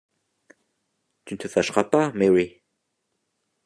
Tu ne te fâcheras pas, Mary?